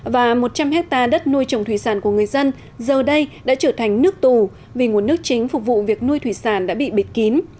và một trăm linh hectare đất nuôi trồng thủy sản của người dân giờ đây đã trở thành nước tù vì nguồn nước chính phục vụ việc nuôi thủy sản đã bị bịt kín